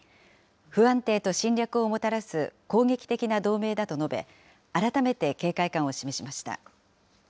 不安定と侵略をもたらす攻撃的な同盟だと述べ、改めて警戒感を示しました。